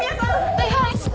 はいはい！